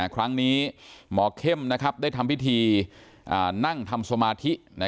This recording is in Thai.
ครั้งนี้หมอเข้มได้ทำพิธีนั่งทำสมาธิ